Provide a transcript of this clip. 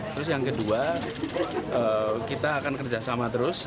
terus yang kedua kita akan kerjasama terus